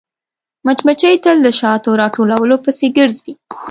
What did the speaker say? مچمچۍ تل د شاتو راټولولو پسې ګرځي